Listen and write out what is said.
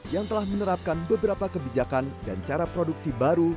yang telah menerapkan beberapa kebijakan dan cara produksi baru